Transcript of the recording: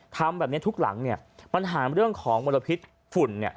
ทำแบบนี้ทุกหลังเนี่ยปัญหาเรื่องของมลพิษฝุ่นเนี่ย